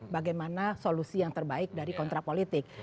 bagaimana solusi yang terbaik dari kontrak politik